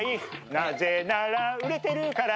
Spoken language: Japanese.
なぜなら売れてるから。